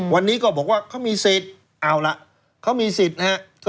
วันนี้ก็บอกว่าเขามีสิทธิ์เอาล่ะเขามีสิทธิ์นะครับ